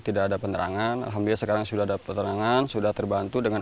tidak ada penerangan alhamdulillah sekarang sudah ada penerangan sudah terbantu dengan